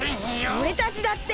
おれたちだって！